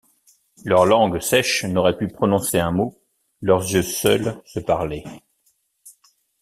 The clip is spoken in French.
Leur langue sèche n’aurait pu prononcer un mot, leurs yeux seuls se parlaient.